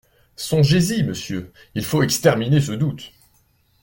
Songez-y, Monsieur: il faut exterminer ce doute.